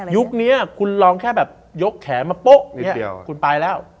ยุคนี้คุณลองแค่แบบยกแขมะป๊ะนี่คุณไปแล้ว